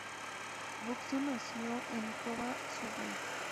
Buxton nació en Cobham, Surrey.